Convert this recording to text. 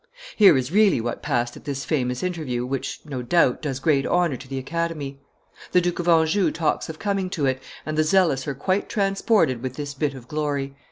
Here is really what passed at this famous interview, which, no doubt, does great honor to the Academy. The Duke of Anjou talks of coming to it, and the zealous are quite transported with this bit of glory."